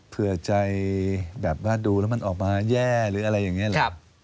เผื่อใจแบบว่าดูแล้วมันออกมาแย่หรืออะไรอย่างนี้แหละ